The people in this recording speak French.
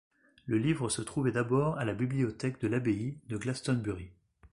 Le livre se trouvait d'abord à la bibliothèque de l'abbaye de Glastonbury.